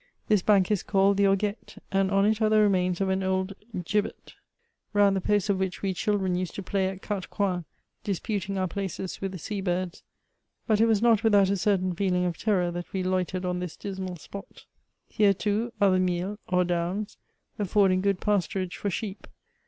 This bank is called the Hoguette, and on it are the remains of an old gibbet, round the posts of which we children used to play at quatre coin, disputing our places with the sea birds. But, it was not without a certain feeling of terror that we loitered on this dismal spot. Here, too, are the Miels, or downs, affording good pasturage for sheep.